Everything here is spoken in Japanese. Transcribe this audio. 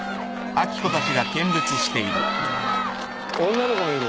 女の子もいる。